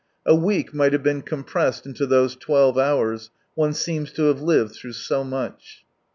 A week might have been compressed into those twelve hours, one seems to have lived through so much.